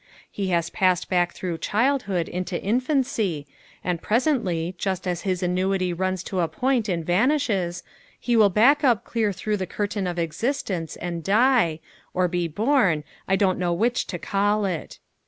He has passed back through childhood into infancy, and presently, just as his annuity runs to a point and vanishes, he will back up clear through the Curtain of Existence and die, or be born, I don't know which to call it.